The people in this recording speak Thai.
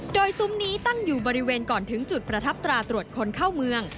โดยซุ้มนี้ตั้งอยู่บริเวณก่อนถึงจุดประทับตราตรวจคนเข้าเมือง